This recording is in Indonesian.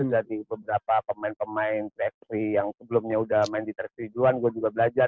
dari beberapa pemain pemain track free yang sebelumnya udah main di tersejuan gue juga belajar